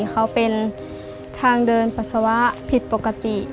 เขาเป็นทางเดินปัสสาวะผิดปกติ